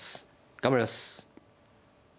頑張ります。